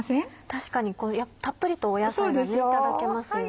確かにたっぷりと野菜がいただけますよね。